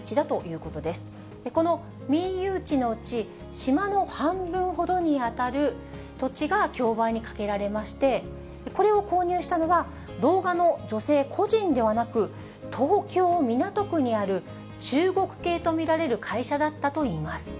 この民有地のうち、島の半分ほどに当たる土地が競売にかけられまして、これを購入したのは、動画の女性個人ではなく、東京・港区にある中国系と見られる会社だったといいます。